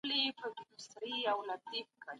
خلګ له هرې لاري سرمایه ترلاسه کوي.